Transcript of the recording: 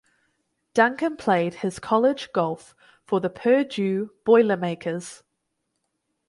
Duncan played his college golf for the Purdue Boilermakers.